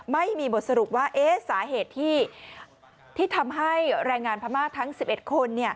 ไม่มีบทสรุปว่าสาเหตุที่ทำให้แรงงานพม่าทั้ง๑๑คน